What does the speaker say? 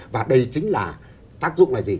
và đây chính là tác dụng là gì